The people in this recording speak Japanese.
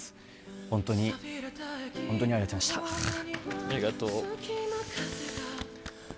本当に、本当にありがとうございありがとう。